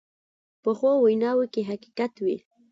پخو ویناوو کې حقیقت وي